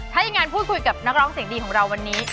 ถ้าอย่างนั้นพูดคุยกับนักร้องเสียงดีของเราวันนี้